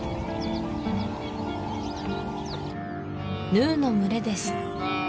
ヌーの群れです